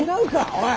おい！